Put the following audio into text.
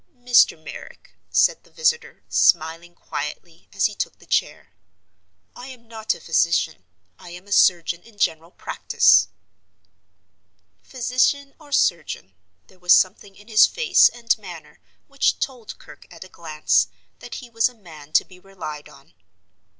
"Mr. Merrick," said the visitor, smiling quietly as he took the chair. "I am not a physician—I am a surgeon in general practice." Physician or surgeon, there was something in his face and manner which told Kirke at a glance that he was a man to be relied on.